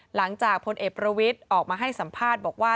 พลเอกประวิทย์ออกมาให้สัมภาษณ์บอกว่า